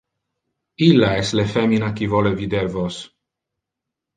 Illa es le femina qui vole vider vos.